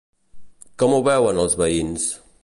Com ho veuen els veïns?